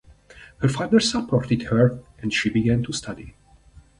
Her father supported her and she began to study.